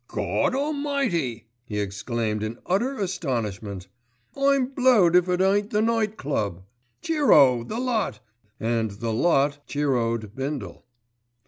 "Gawd Almighty," he exclaimed in utter astonishment. "I'm blowed if it ain't the Night Club. Cheero! the lot," and "the lot" cheero d Bindle.